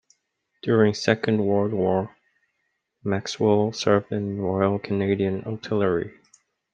During Second World War, Maxwell served in the Royal Canadian Artillery.